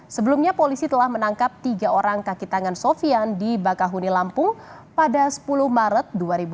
sebelumnya polisi telah menangkap tiga orang kaki tangan sofian di bakahuni lampung pada sepuluh maret dua ribu dua puluh